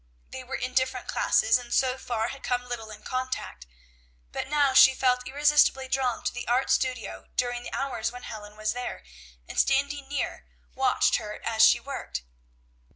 They were in different classes, and, so far, had come little in contact; but now she felt irresistibly drawn to the art studio during the hours when Helen was there, and, standing near, watched her as she worked.